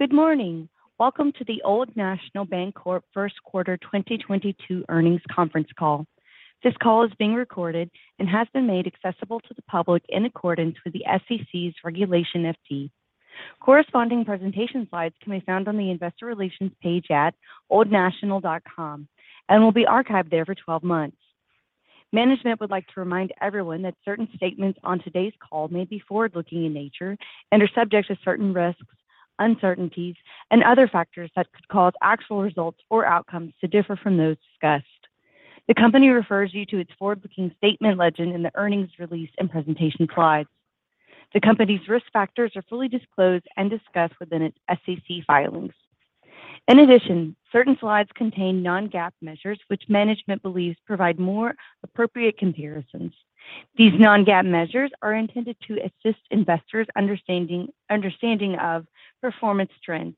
Good morning. Welcome to the Old National Bancorp First Quarter 2022 Earnings Conference Call. This call is being recorded and has been made accessible to the public in accordance with the SEC's Regulation FD. Corresponding presentation slides can be found on the investor relations page at oldnational.com and will be archived there for 12 months. Management would like to remind everyone that certain statements on today's call may be forward-looking in nature and are subject to certain risks, uncertainties, and other factors that could cause actual results or outcomes to differ from those discussed. The company refers you to its forward-looking statement legend in the earnings release and presentation slides. The company's risk factors are fully disclosed and discussed within its SEC filings. In addition, certain slides contain non-GAAP measures which management believes provide more appropriate comparisons. These non-GAAP measures are intended to assist investors' understanding of performance trends.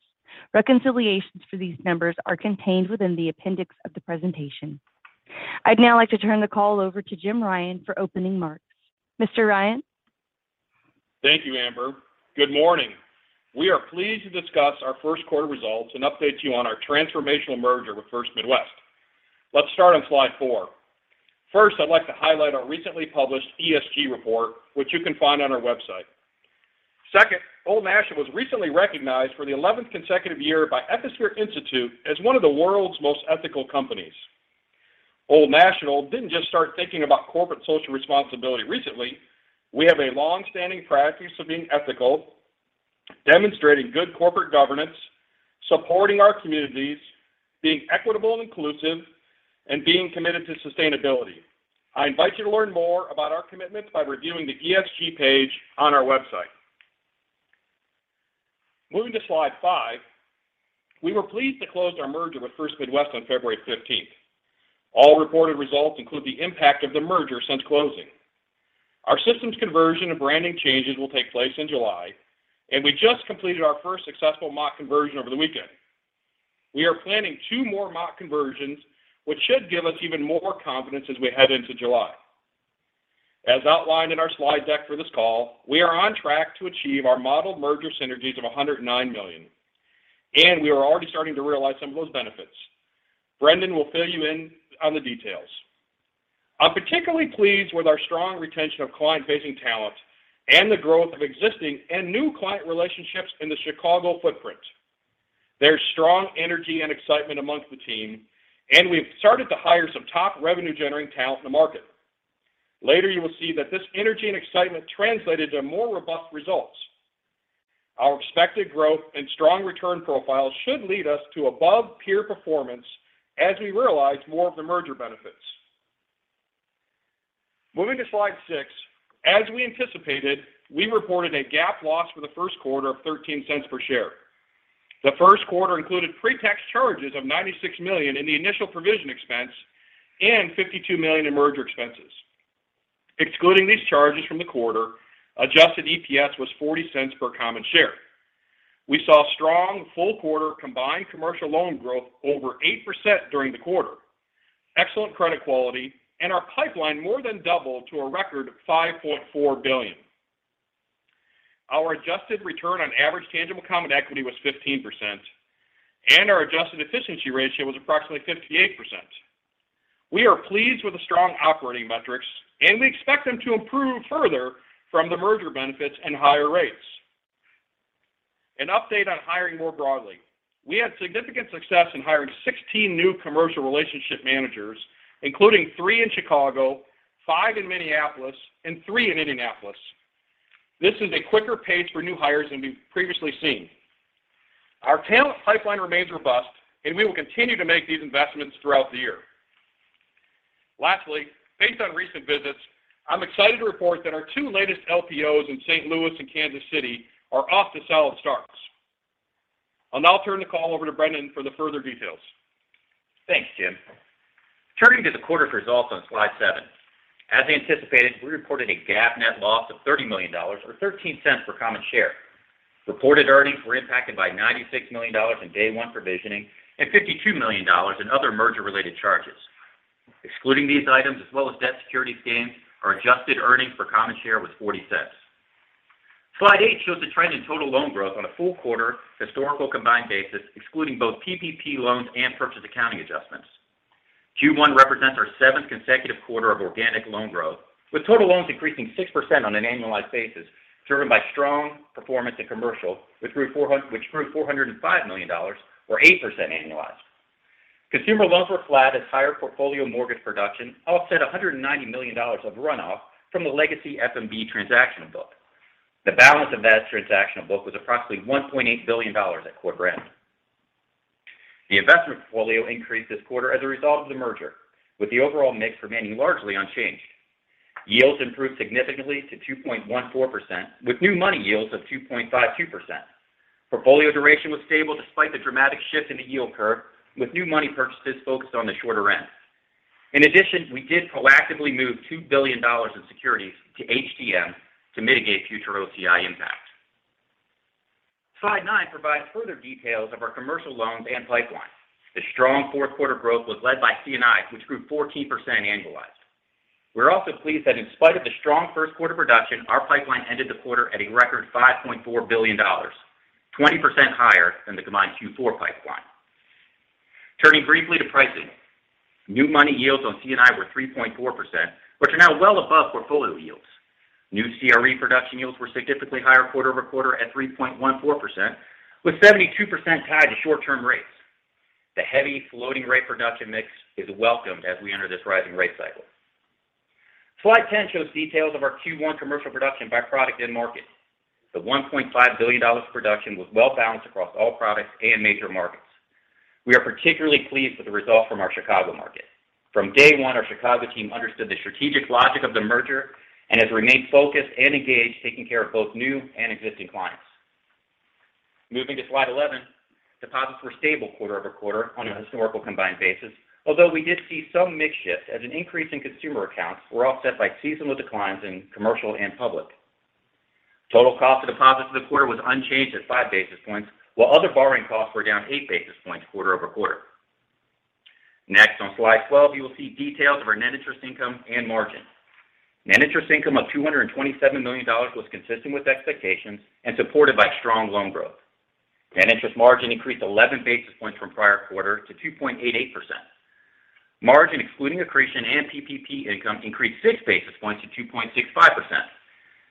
Reconciliations for these numbers are contained within the appendix of the presentation. I'd now like to turn the call over to Jim Ryan for opening remarks. Mr. Ryan. Thank you, Amber. Good morning. We are pleased to discuss our first quarter results and update you on our transformational merger with First Midwest. Let's start on slide four. First, I'd like to highlight our recently published ESG report, which you can find on our website. Second, Old National was recently recognized for the 11th consecutive year by Ethisphere Institute as one of the world's most ethical companies. Old National didn't just start thinking about corporate social responsibility recently. We have a long-standing practice of being ethical, demonstrating good corporate governance, supporting our communities, being equitable and inclusive, and being committed to sustainability. I invite you to learn more about our commitments by reviewing the ESG page on our website. Moving to slide five. We were pleased to close our merger with First Midwest on February 15th. All reported results include the impact of the merger since closing. Our systems conversion and branding changes will take place in July, and we just completed our first successful mock conversion over the weekend. We are planning two more mock conversions, which should give us even more confidence as we head into July. As outlined in our slide deck for this call, we are on track to achieve our modeled merger synergies of $109 million, and we are already starting to realize some of those benefits. Brendon will fill you in on the details. I'm particularly pleased with our strong retention of client-facing talent and the growth of existing and new client relationships in the Chicago footprint. There's strong energy and excitement amongst the team, and we've started to hire some top revenue-generating talent in the market. Later, you will see that this energy and excitement translated to more robust results. Our expected growth and strong return profile should lead us to above peer performance as we realize more of the merger benefits. Moving to slide six. As we anticipated, we reported a GAAP loss for the first quarter of $0.13 per share. The first quarter included pre-tax charges of $96 million in the initial provision expense and $52 million in merger expenses. Excluding these charges from the quarter, adjusted EPS was $0.40 per common share. We saw strong full quarter combined commercial loan growth over 8% during the quarter, excellent credit quality, and our pipeline more than doubled to a record of $5.4 billion. Our adjusted return on average tangible common equity was 15%, and our adjusted efficiency ratio was approximately 58%. We are pleased with the strong operating metrics, and we expect them to improve further from the merger benefits and higher rates. An update on hiring more broadly. We had significant success in hiring 16 new commercial relationship managers, including three in Chicago, five in Minneapolis, and three in Indianapolis. This is a quicker pace for new hires than we've previously seen. Our talent pipeline remains robust, and we will continue to make these investments throughout the year. Lastly, based on recent visits, I'm excited to report that our two latest LPOs in St. Louis and Kansas City are off to solid starts. I'll now turn the call over to Brendon for the further details. Thanks, Jim. Turning to the quarter's results on slide seven. As anticipated, we reported a GAAP net loss of $30 million or $0.13 per common share. Reported earnings were impacted by $96 million in day one provisioning and $52 million in other merger-related charges. Excluding these items as well as debt securities gains, our adjusted earnings per common share was $0.40. Slide eight shows the trend in total loan growth on a full quarter historical combined basis, excluding both PPP loans and purchase accounting adjustments. Q1 represents our seventh consecutive quarter of organic loan growth, with total loans increasing 6% on an annualized basis, driven by strong performance in commercial, which grew $405 million or 8% annualized. Consumer loans were flat as higher portfolio mortgage production offset $190 million of runoff from the legacy SMB transactional book. The balance of that transactional book was approximately $1.8 billion at quarter end. The investment portfolio increased this quarter as a result of the merger, with the overall mix remaining largely unchanged. Yields improved significantly to 2.14%, with new money yields of 2.52%. Portfolio duration was stable despite the dramatic shift in the yield curve, with new money purchases focused on the shorter end. In addition, we did proactively move $2 billion in securities to HTM to mitigate future OCI impact. Slide nine provides further details of our commercial loans and pipeline. The strong fourth quarter growth was led by C&I, which grew 14% annualized. We're also pleased that in spite of the strong first quarter production, our pipeline ended the quarter at a record $5.4 billion, 20% higher than the combined Q4 pipeline. Turning briefly to pricing. New money yields on C&I were 3.4%, which are now well above portfolio yields. New CRE production yields were significantly higher quarter-over-quarter at 3.14%, with 72% tied to short-term rates. The heavy floating rate production mix is welcomed as we enter this rising rate cycle. Slide 10 shows details of our Q1 commercial production by product end market. The $1.5 billion production was well balanced across all products and major markets. We are particularly pleased with the results from our Chicago market. From day one, our Chicago team understood the strategic logic of the merger and has remained focused and engaged, taking care of both new and existing clients. Moving to slide 11. Deposits were stable quarter-over-quarter on a historical combined basis. Although we did see some mix shift as an increase in consumer accounts were offset by seasonal declines in commercial and public. Total cost of deposits in the quarter was unchanged at 5 basis points, while other borrowing costs were down 8 basis points quarter-over-quarter. Next, on slide 12, you will see details of our net interest income and margins. Net interest income of $227 million was consistent with expectations and supported by strong loan growth. Net interest margin increased 11 basis points from prior quarter to 2.88%. Margin excluding accretion and PPP income increased 6 basis points to 2.65%.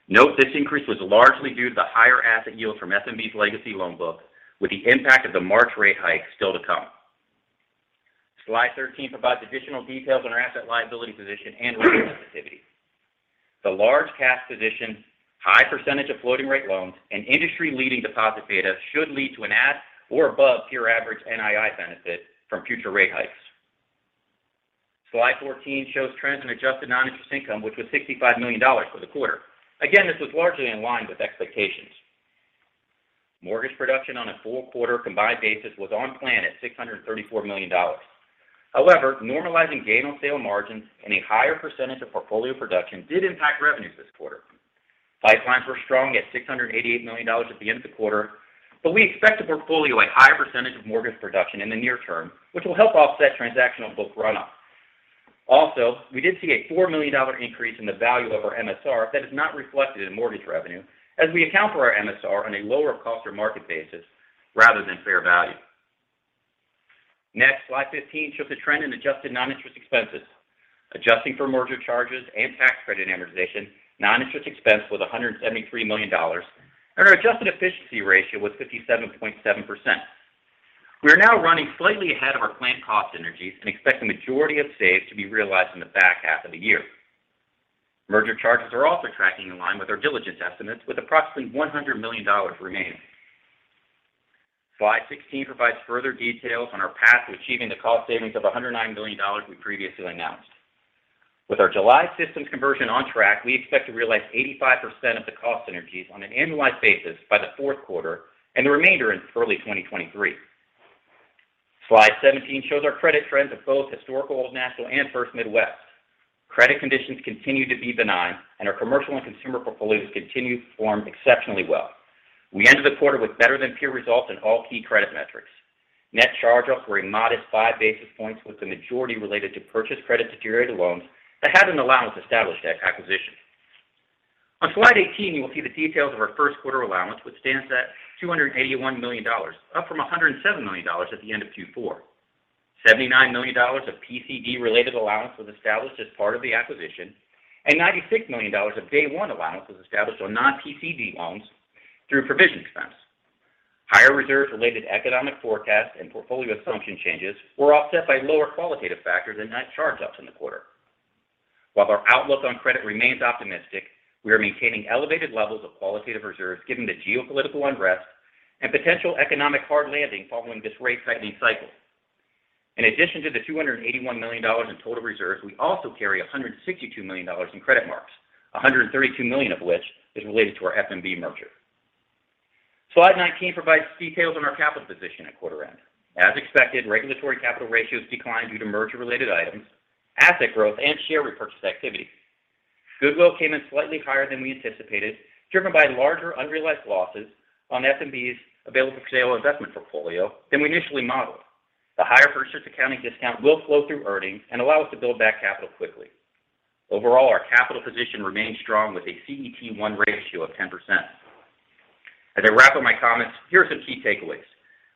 Note this increase was largely due to the higher asset yields from FMB's legacy loan book, with the impact of the March rate hike still to come. Slide 13 provides additional details on our asset liability position and rate sensitivity. The large cash position, high percentage of floating rate loans, and industry-leading deposit beta should lead to an at or above peer average NII benefit from future rate hikes. Slide 14 shows trends in adjusted non-interest income, which was $65 million for the quarter. Again, this was largely in line with expectations. Mortgage production on a full quarter combined basis was on plan at $634 million. However, normalizing gain on sale margins and a higher percentage of portfolio production did impact revenues this quarter. Pipelines were strong at $688 million at the end of the quarter, but we expect to portfolio a higher percentage of mortgage production in the near term, which will help offset transactional book run up. Also, we did see a $4 million increase in the value of our MSR that is not reflected in mortgage revenue as we account for our MSR on a lower cost or market basis rather than fair value. Next, slide 15 shows the trend in adjusted non-interest expenses. Adjusting for merger charges and tax credit amortization, non-interest expense was $173 million, and our adjusted efficiency ratio was 57.7%. We are now running slightly ahead of our planned cost synergies and expect the majority of saves to be realized in the back half of the year. Merger charges are also tracking in line with our diligence estimates, with approximately $100 million remaining. Slide 16 provides further details on our path to achieving the cost savings of $109 million we previously announced. With our July systems conversion on track, we expect to realize 85% of the cost synergies on an annualized basis by the fourth quarter and the remainder in early 2023. Slide 17 shows our credit trends of both historical Old National and First Midwest. Credit conditions continue to be benign, and our commercial and consumer portfolios continue to perform exceptionally well. We ended the quarter with better than peer results in all key credit metrics. Net charge-offs were a modest 5 basis points, with the majority related to purchased credit-deteriorated loans that had an allowance established at acquisition. On slide 18, you will see the details of our first quarter allowance, which stands at $281 million, up from $107 million at the end of Q4. $79 million of PCD-related allowance was established as part of the acquisition, and $96 million of day one allowance was established on non-PCD loans through provision expense. Higher reserves related economic forecast and portfolio assumption changes were offset by lower qualitative factors and net charge-offs in the quarter. While our outlook on credit remains optimistic, we are maintaining elevated levels of qualitative reserves given the geopolitical unrest and potential economic hard landing following this rate tightening cycle. In addition to the $281 million in total reserves, we also carry $162 million in credit marks, $132 million of which is related to our FMB merger. Slide 19 provides details on our capital position at quarter end. As expected, regulatory capital ratios declined due to merger-related items, asset growth and share repurchase activity. Goodwill came in slightly higher than we anticipated, driven by larger unrealized losses on FMB's available-for-sale investment portfolio than we initially modeled. The higher first year's accounting discount will flow through earnings and allow us to build back capital quickly. Overall, our capital position remains strong with a CET1 ratio of 10%. As I wrap up my comments, here are some key takeaways.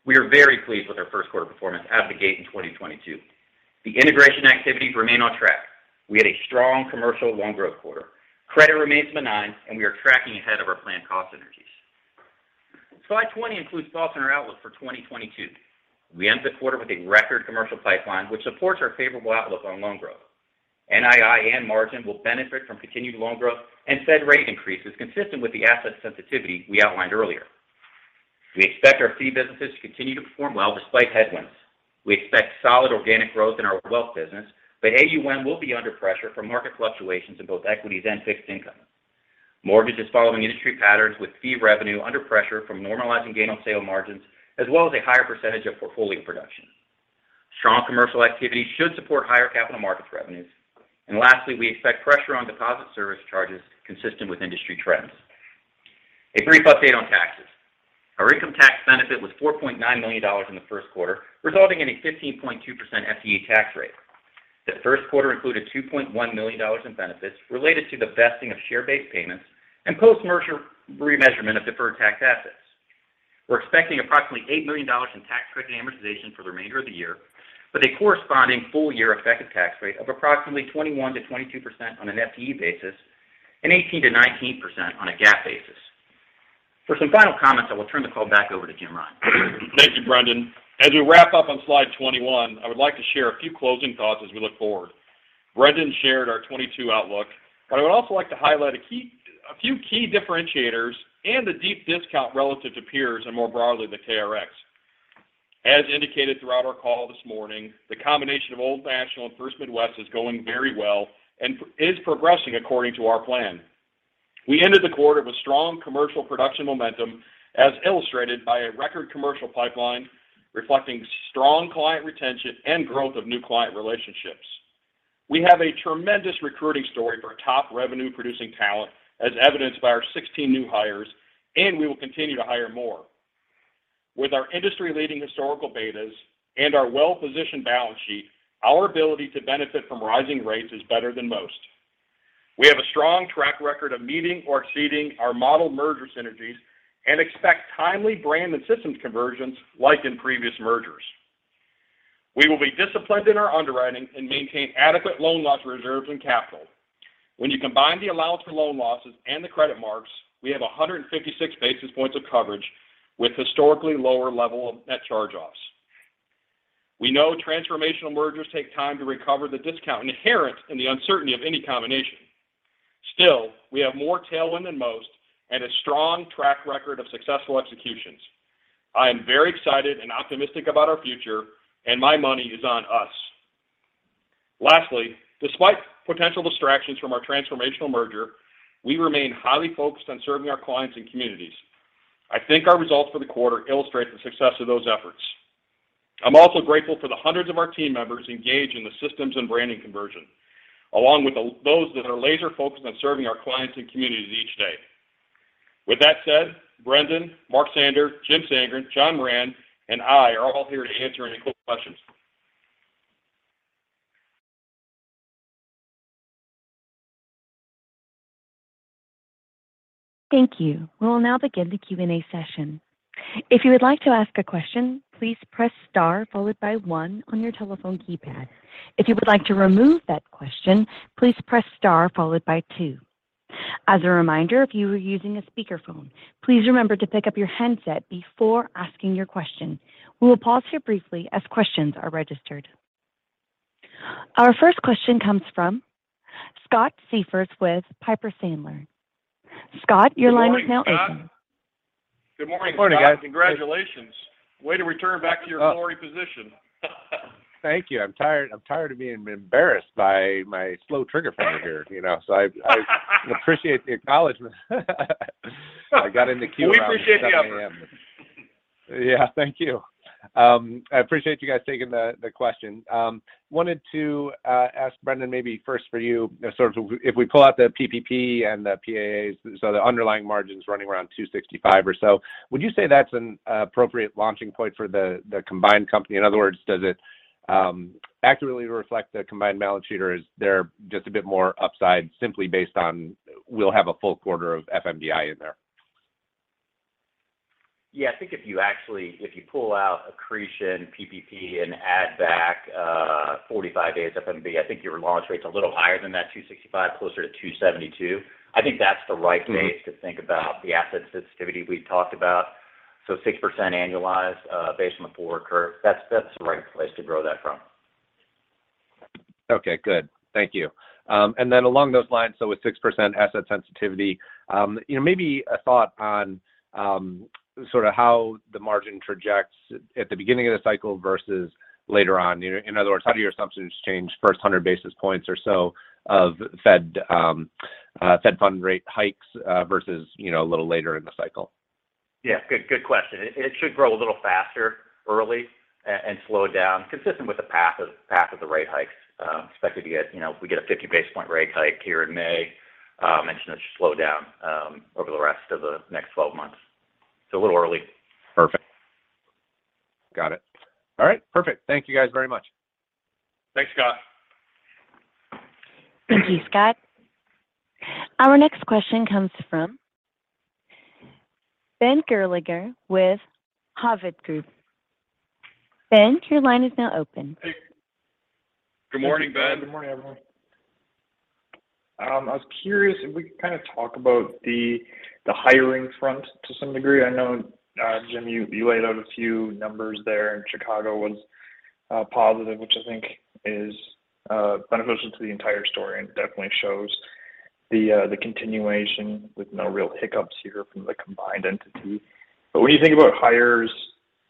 We are very pleased with our first-quarter performance out of the gate in 2022. The integration activities remain on track. We had a strong commercial loan growth quarter. Credit remains benign and we are tracking ahead of our planned cost synergies. Slide 20 includes thoughts on our outlook for 2022. We end the quarter with a record commercial pipeline which supports our favorable outlook on loan growth. NII and margin will benefit from continued loan growth and Fed rate increases consistent with the asset sensitivity we outlined earlier. We expect our fee businesses to continue to perform well despite headwinds. We expect solid organic growth in our wealth business, but AUM will be under pressure from market fluctuations in both equities and fixed income. Mortgage is following industry patterns with fee revenue under pressure from normalizing gain on sale margins as well as a higher percentage of portfolio production. Strong commercial activity should support higher capital markets revenues. Lastly, we expect pressure on deposit service charges consistent with industry trends. A brief update on taxes. Our income tax benefit was $4.9 million in the first quarter, resulting in a 15.2% FTE tax rate. The first quarter included $2.1 million in benefits related to the vesting of share-based payments and post-merger remeasurement of deferred tax assets. We're expecting approximately $8 million in tax credit amortization for the remainder of the year, with a corresponding full year effective tax rate of approximately 21%-22% on an FTE basis and 18%-19% on a GAAP basis. For some final comments, I will turn the call back over to Jim Ryan. Thank you, Brendon. As we wrap up on slide 21, I would like to share a few closing thoughts as we look forward. Brendon shared our 2022 outlook, but I would also like to highlight a few key differentiators and the deep discount relative to peers and more broadly, the KRX. As indicated throughout our call this morning, the combination of Old National and First Midwest is going very well and is progressing according to our plan. We ended the quarter with strong commercial production momentum, as illustrated by a record commercial pipeline reflecting strong client retention and growth of new client relationships. We have a tremendous recruiting story for top revenue producing talent, as evidenced by our 16 new hires, and we will continue to hire more. With our industry-leading historical betas and our well-positioned balance sheet, our ability to benefit from rising rates is better than most. We have a strong track record of meeting or exceeding our model merger synergies and expect timely brand and systems conversions like in previous mergers. We will be disciplined in our underwriting and maintain adequate loan loss reserves and capital. When you combine the allowance for loan losses and the credit marks, we have 156 basis points of coverage with historically lower level of net charge-offs. We know transformational mergers take time to recover the discount inherent in the uncertainty of any combination. Still, we have more tailwind than most and a strong track record of successful executions. I am very excited and optimistic about our future, and my money is on us. Lastly, despite potential distractions from our transformational merger, we remain highly focused on serving our clients and communities. I think our results for the quarter illustrate the success of those efforts. I'm also grateful for the hundreds of our team members engaged in the systems and branding conversion, along with those that are laser-focused on serving our clients and communities each day. With that said, Brendon, Mark Sander, Jim Sandgren, John Moran, and I are all here to answer any quick questions. Thank you. We will now begin the Q&A session. If you would like to ask a question, please press star followed by one on your telephone keypad. If you would like to remove that question, please press star followed by two. As a reminder, if you are using a speakerphone, please remember to pick up your handset before asking your question. We will pause here briefly as questions are registered. Our first question comes from Scott Siefers with Piper Sandler. Scott, your line is now open. Good morning, Scott. Good morning. Good morning, guys. Congratulations. Way to return back to your glory position. Thank you. I'm tired of being embarrassed by my slow trigger finger here, you know. I appreciate the acknowledgement. I got in the queue around 7 A.M. We appreciate the effort. Yeah. Thank you. I appreciate you guys taking the question. Wanted to ask Brendon maybe first for you know, sort of if we pull out the PPP and the PAAs, so the underlying margin's running around 265 or so, would you say that's an appropriate launching point for the combined company? In other words, does it accurately reflect the combined balance sheet or is there just a bit more upside simply based on we'll have a full quarter of FMBI in there? Yeah. I think if you pull out accretion, PPP, and add back 45 days of FMB, I think your launch rate's a little higher than that, 2.65, closer to 2.72. I think that's the right place to think about the asset sensitivity we've talked about. Six percent annualized based on the forward curve. That's the right place to grow that from. Okay. Good. Thank you. Along those lines, with 6% asset sensitivity, you know, maybe a thought on, sort of how the margin tracks at the beginning of the cycle versus later on. You know, in other words, how do your assumptions change first 100 basis points or so of Fed funds rate hikes versus, you know, a little later in the cycle? Yeah. Good question. It should grow a little faster early and slow down consistent with the path of the rate hikes expected to get. You know, if we get a 50 basis point rate hike here in May, and should slow down over the rest of the next 12 months. So a little early. Perfect. Got it. All right. Perfect. Thank you guys very much. Thanks, Scott. Thank you, Scott. Our next question comes from Ben Gerlinger with Hovde Group. Ben, your line is now open. Hey. Good morning, Ben. Good morning, everyone. I was curious if we could kind of talk about the hiring front to some degree. I know, Jim, you laid out a few numbers there and Chicago was positive, which I think is beneficial to the entire story and definitely shows the continuation with no real hiccups here from the combined entity. When you think about hires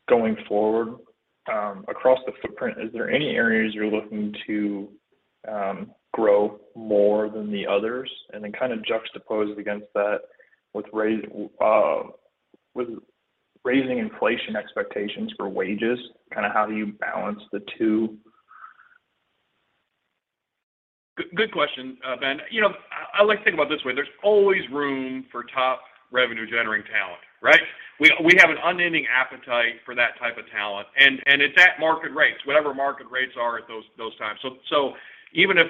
going forward, across the footprint, is there any areas you're looking to grow more than the others? Then kind of juxtaposed against that with raising inflation expectations for wages, kind of how do you balance the two? Good question, Ben. You know, I like to think about it this way, there's always room for top revenue-generating talent, right? We have an unending appetite for that type of talent and it's at market rates, whatever market rates are at those times. So even if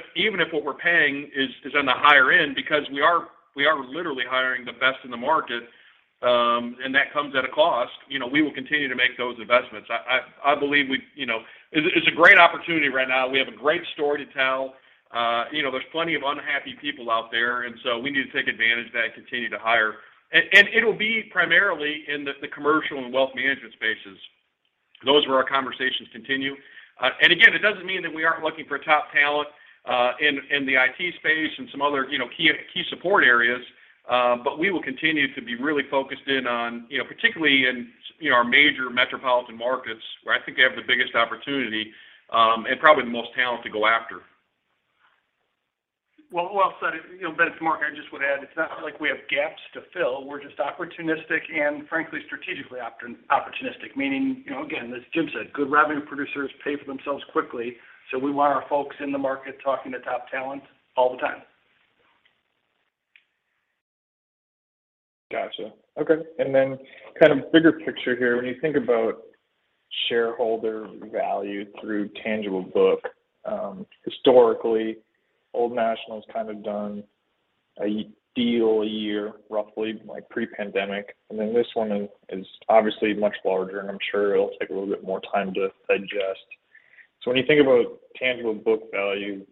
what we're paying is on the higher end because we are literally hiring the best in the market, and that comes at a cost, you know, we will continue to make those investments. I believe. You know, it's a great opportunity right now. We have a great story to tell. You know, there's plenty of unhappy people out there, and so we need to take advantage of that and continue to hire. It'll be primarily in the commercial and wealth management spaces. Those are our conversations continue. Again, it doesn't mean that we aren't looking for top talent in the IT space and some other, you know, key support areas, but we will continue to be really focused in on, you know, particularly in, you know, our major metropolitan markets where I think they have the biggest opportunity, and probably the most talent to go after. Well said. You know, Ben, it's Mark. I just would add, it's not like we have gaps to fill. We're just opportunistic and frankly, strategically opportunistic. Meaning, you know, again, as Jim said, good revenue producers pay for themselves quickly, so we want our folks in the market talking to top talent all the time. Gotcha. Okay. Kind of bigger picture here. When you think about shareholder value through tangible book, historically, Old National's kind of done a deal a year, roughly, like pre-pandemic. This one is obviously much larger, and I'm sure it'll take a little bit more time to digest. When you think about tangible book value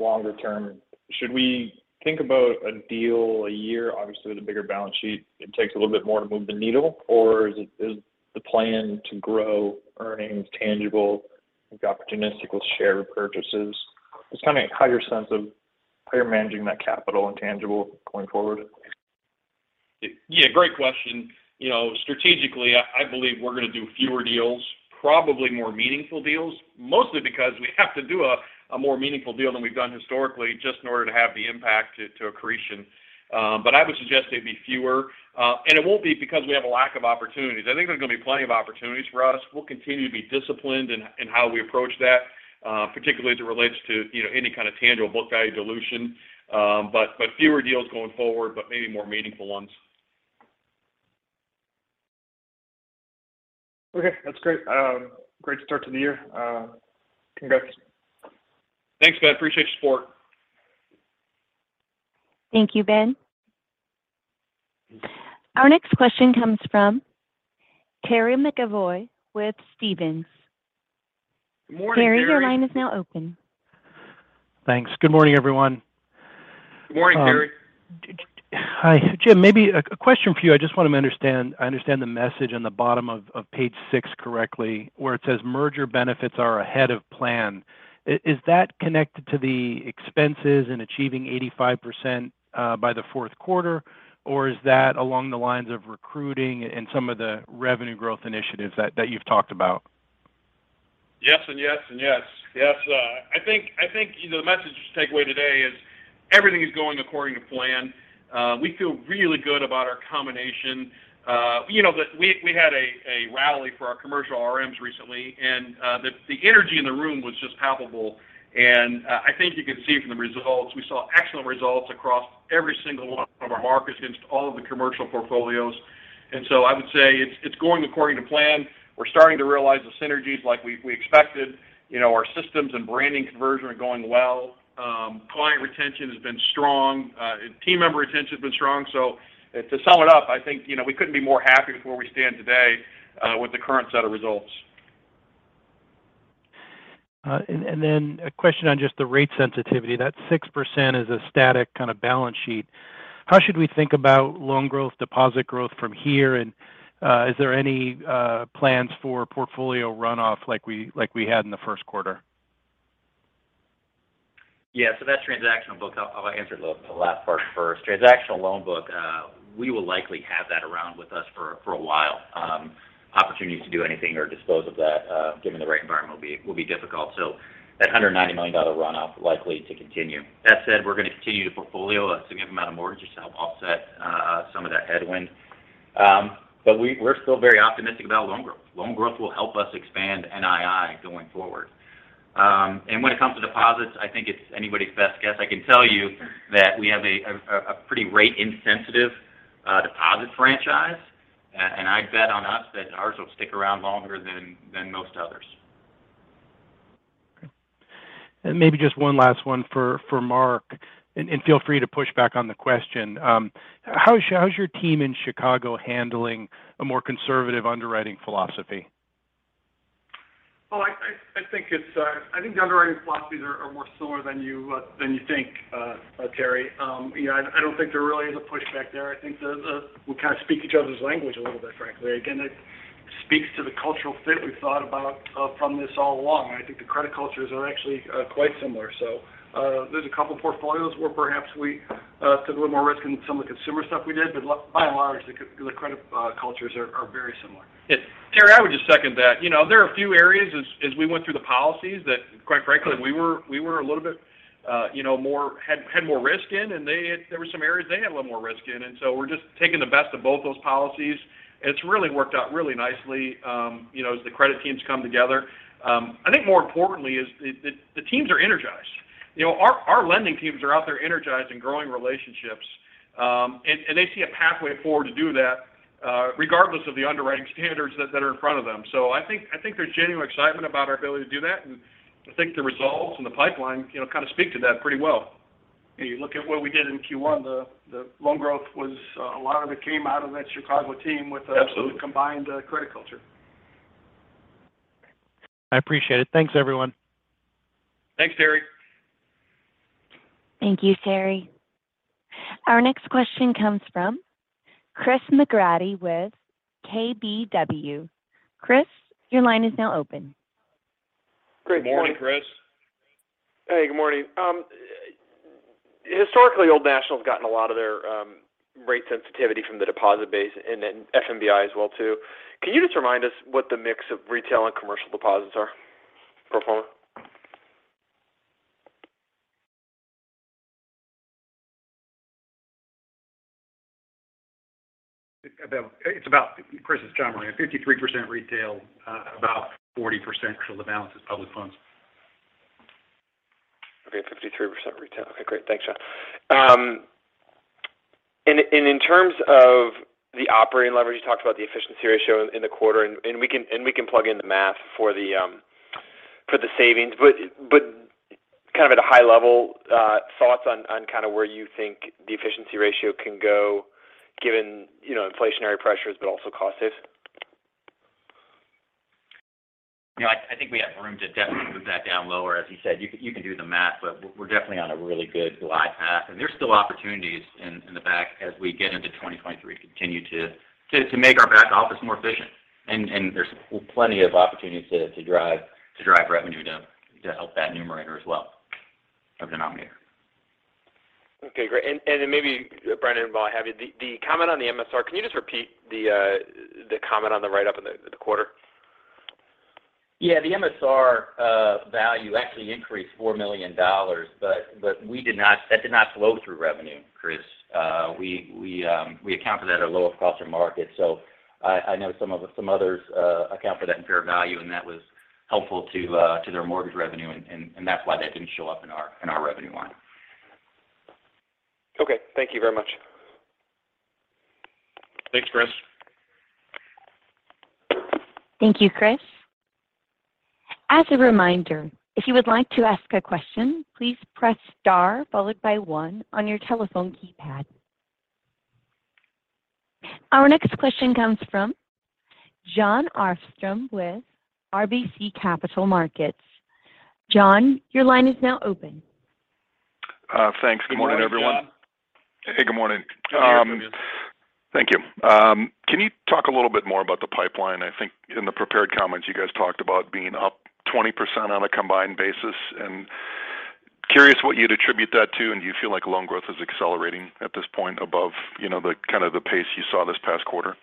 longer term, should we think about a deal a year? Obviously, with a bigger balance sheet, it takes a little bit more to move the needle. Or is the plan to grow earnings tangible with opportunistic or share repurchases? Just kind of get a higher sense of how you're managing that capital and tangible going forward. Yeah, great question. You know, strategically, I believe we're gonna do fewer deals. Probably more meaningful deals. Mostly because we have to do a more meaningful deal than we've done historically just in order to have the impact to accretion. I would suggest they'd be fewer. It won't be because we have a lack of opportunities. I think there's gonna be plenty of opportunities for us. We'll continue to be disciplined in how we approach that, particularly as it relates to, you know, any kind of tangible book value dilution. Fewer deals going forward, but maybe more meaningful ones. Okay, that's great. Great start to the year. Congrats. Thanks, Ben. I appreciate your support. Thank you, Ben. Our next question comes from Terry McEvoy with Stephens. Good morning, Terry. Terry, your line is now open. Thanks. Good morning, everyone. Good morning, Terry. Hi. Jim, maybe a question for you. I understand the message on the bottom of page six correctly, where it says merger benefits are ahead of plan. Is that connected to the expenses in achieving 85% by the fourth quarter? Or is that along the lines of recruiting and some of the revenue growth initiatives that you've talked about? Yes, and yes, and yes. Yes. I think you know, the message to take away today is everything is going according to plan. We feel really good about our combination. You know, we had a rally for our commercial RMs recently, and the energy in the room was just palpable. I think you can see from the results, we saw excellent results across every single one of our markets against all of the commercial portfolios. I would say it's going according to plan. We're starting to realize the synergies like we expected. You know, our systems and branding conversion are going well. Client retention has been strong. Team member retention has been strong. To sum it up, I think, you know, we couldn't be more happy with where we stand today, with the current set of results. A question on just the rate sensitivity. That 6% is a static kind of balance sheet. How should we think about loan growth, deposit growth from here? Is there any plans for portfolio runoff like we had in the first quarter? Yeah. That transactional book, I'll answer the last part first. Transactional loan book, we will likely have that around with us for a while. Opportunities to do anything or dispose of that, given the right environment, will be difficult. That $190 million runoff likely to continue. That said, we're gonna continue to portfolio a significant amount of mortgages to help offset some of that headwind. We're still very optimistic about loan growth. Loan growth will help us expand NII going forward. When it comes to deposits, I think it's anybody's best guess. I can tell you that we have a pretty rate insensitive deposit franchise. I'd bet on us that ours will stick around longer than most others. Okay. Maybe just one last one for Mark, and feel free to push back on the question. How is your team in Chicago handling a more conservative underwriting philosophy? Well, I think the underwriting philosophies are more similar than you think, Terry. You know, I don't think there really is a pushback there. I think we kind of speak each other's language a little bit, frankly. Again, it speaks to the cultural fit we've thought about from this all along. I think the credit cultures are actually quite similar. There's a couple portfolios where perhaps we took a little more risk in some of the consumer stuff we did, but by and large, the credit cultures are very similar. Yeah. Terry, I would just second that. You know, there are a few areas as we went through the policies that quite frankly, we were a little bit, you know, had more risk in, and there were some areas they had a little more risk in. We're just taking the best of both those policies, and it's really worked out really nicely as the credit teams come together. I think more importantly is the teams are energized. You know, our lending teams are out there energized and growing relationships, and they see a pathway forward to do that, regardless of the underwriting standards that are in front of them. I think there's genuine excitement about our ability to do that, and I think the results and the pipeline, you know, kind of speak to that pretty well. You look at what we did in Q1, the loan growth was a lot of it came out of that Chicago team with the- Absolutely combined credit culture. I appreciate it. Thanks, everyone. Thanks, Terry. Thank you, Terry. Our next question comes from Chris McGratty with KBW. Chris, your line is now open. Great point. Good morning, Chris. Hey, good morning. Historically, Old National's gotten a lot of their rate sensitivity from the deposit base and then FMBI as well too. Can you just remind us what the mix of retail and commercial deposits are for a moment? It's about, Chris. It's John Moran. 53% retail, about 40% of the balance is public funds. Okay, 53% retail. Okay, great. Thanks, Jon. In terms of the operating leverage, you talked about the efficiency ratio in the quarter, and we can plug in the math for the savings. Kind of at a high level, thoughts on kind of where you think the efficiency ratio can go given, you know, inflationary pressures but also cost save. You know, I think we have room to definitely move that down lower. As you said, you can do the math, but we're definitely on a really good glide path. There's still opportunities in the back as we get into 2023 to continue to make our back office more efficient. There's plenty of opportunities to drive revenue down to help that numerator as well as the denominator. Okay, great. Maybe Brendon, while I have you, the comment on the MSR, can you just repeat the comment on the write-up in the quarter? Yeah. The MSR value actually increased $4 million, but that did not flow through revenue, Chris. We account for that at a lower cost or market. I know some others account for that in fair value, and that was helpful to their mortgage revenue, and that's why that didn't show up in our revenue line. Okay. Thank you very much. Thanks, Chris. Thank you, Chris. As a reminder, if you would like to ask a question, please press star followed by one on your telephone keypad. Our next question comes from Jon Arfstrom with RBC Capital Markets. Jon, your line is now open. Thanks. Good morning, everyone. Good morning, Jon. Hey, good morning. Good to hear from you. Thank you. Can you talk a little bit more about the pipeline? I think in the prepared comments, you guys talked about being up 20% on a combined basis. I'm curious what you'd attribute that to, and do you feel like loan growth is accelerating at this point above, you know, the kind of the pace you saw this past quarter?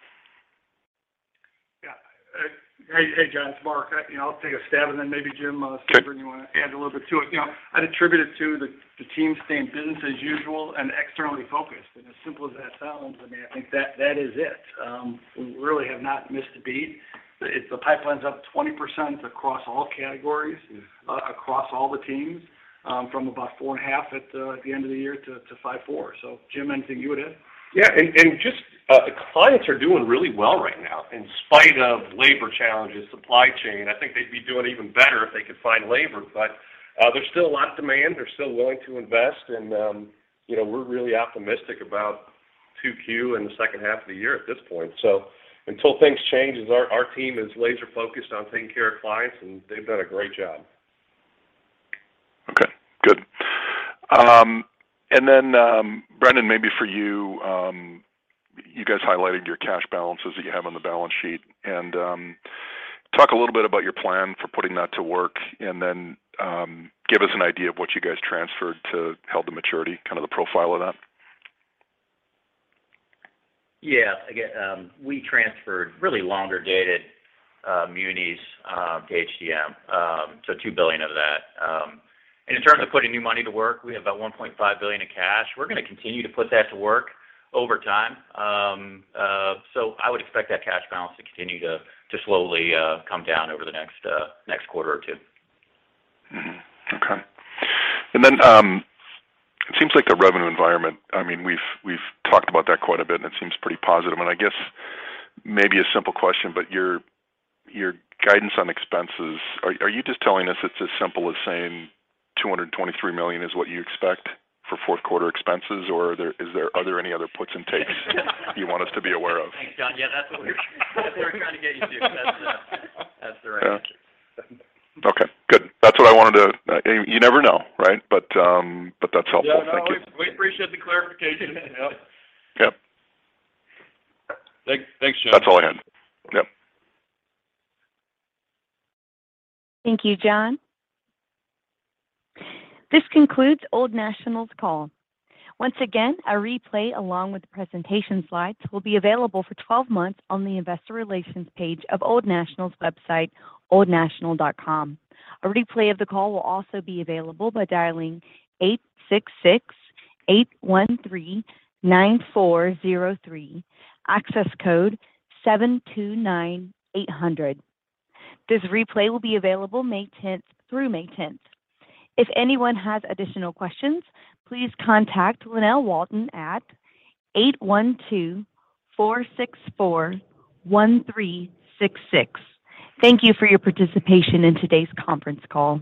Yeah. Hey, Jon, it's Mark. You know, I'll take a stab and then maybe Jim see whether you want to add a little bit to it. You know, I'd attribute it to the team staying business as usual and externally focused. As simple as that sounds, I mean, I think that is it. We really have not missed a beat. If the pipeline's up 20% across all categories, across all the teams, from about 4.5 at the end of the year to 5.4. So Jim, anything you would add? Just the clients are doing really well right now in spite of labor challenges, supply chain. I think they'd be doing even better if they could find labor. There's still a lot of demand. They're still willing to invest and, you know, we're really optimistic about 2Q in the second half of the year at this point. Until things change, our team is laser focused on taking care of clients, and they've done a great job. Okay, good. Brendon, maybe for you guys highlighted your cash balances that you have on the balance sheet. Talk a little bit about your plan for putting that to work. Give us an idea of what you guys transferred to held-to-maturity, kind of the profile of that. Yeah. Again, we transferred really longer-dated munis to HTM, so $2 billion of that. In terms of putting new money to work, we have about $1.5 billion of cash. We're gonna continue to put that to work over time. I would expect that cash balance to continue to slowly come down over the next quarter or two. It seems like the revenue environment, I mean, we've talked about that quite a bit, and it seems pretty positive. I guess maybe a simple question, but your guidance on expenses, are you just telling us it's as simple as saying $223 million is what you expect for fourth quarter expenses, or are there any other puts and takes you want us to be aware of? Thanks, Jon. Yeah, that's what we were trying to get you to. That's the right answer. Okay, good. You never know, right? That's helpful. Thank you. Yeah, no, we appreciate the clarification. Yep. Thanks. Thanks, Jon. That's all I had. Yep. Thank you, Jon. This concludes Old National's call. Once again, a replay along with the presentation slides will be available for 12 months on the investor relations page of Old National's website, oldnational.com. A replay of the call will also be available by dialing 866-813-9403, access code 729800. This replay will be available May 10 through May 10. If anyone has additional questions, please contact Lynell Walton at 812-464-1366. Thank you for your participation in today's conference call.